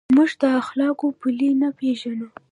موږ د اخلاقو پولې نه پېژنو.